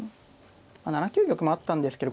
７九玉もあったんですけど